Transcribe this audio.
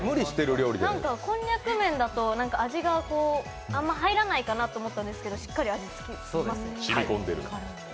こんにゃく麺だと、味があんま入らないかなと思ったんですが、しっかり、味つきますね。